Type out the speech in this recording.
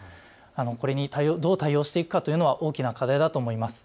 これにどう対応していくかというのは大きな課題だと思います。